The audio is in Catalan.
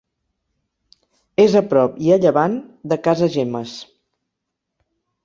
És a prop i a llevant de Casagemes.